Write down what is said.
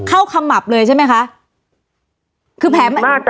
เข้าขมับเลยใช่ไหมคะ